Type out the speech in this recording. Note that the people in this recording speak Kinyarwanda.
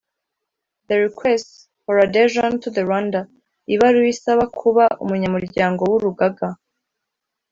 the requests for adhesion to the rwanda ibaruwa isaba kuba umunyamuryango w urugaga